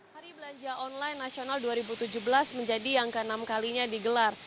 hari belanja online nasional dua ribu tujuh belas menjadi yang ke enam kalinya digelar